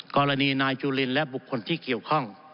กรณีนายจุลินและบุคคลที่เกี่ยวข้อง